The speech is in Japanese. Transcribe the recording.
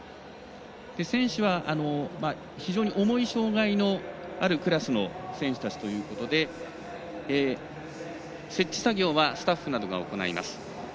選手は、非常に重い障がいのあるクラスの選手たちということで設置作業はスタッフなどが行います。